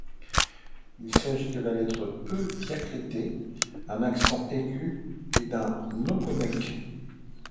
Il s’agit de la lettre E diacritée d’un accent aigu et d’un ogonek.